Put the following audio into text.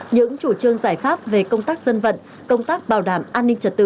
những chủ trương giải pháp về công tác dân vận công tác bảo đảm an ninh trật tự